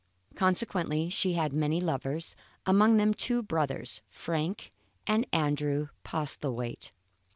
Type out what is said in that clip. Consequently she had many lovers, among them two brothers, Frank and Andrew Postlethwaite.